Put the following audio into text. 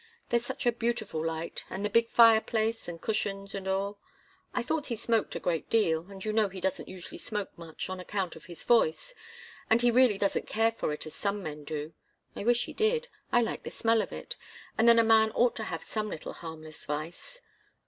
There's such a beautiful light, and the big fireplace, and cushions and all. I thought he smoked a great deal, and you know he doesn't usually smoke much, on account of his voice, and he really doesn't care for it as some men do. I wish he did I like the smell of it, and then a man ought to have some little harmless vice.